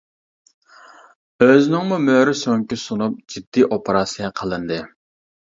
ئۆزىنىڭمۇ مۈرە سۆڭىكى سۇنۇپ جىددىي ئوپېراتسىيە قىلىندى.